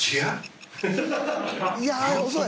［いや遅い］